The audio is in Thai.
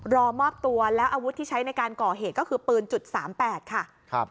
รอมอบตัวแล้วอาวุธที่ใช้ในการก่อเหตุก็คือปืนจุดสามแปดค่ะครับ